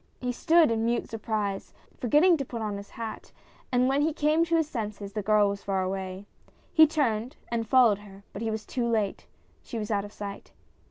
He stood in mute surprise, forget ting to put on his hat, and when he came to his senses the girl was far away. He turned, and followed her, but he was too late. She was out of sight.